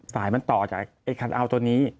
สายมันต่อจากไอ้คันเอาตัวนี้